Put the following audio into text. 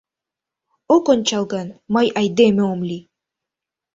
Ок ончал гын, мый айдеме ом лий!»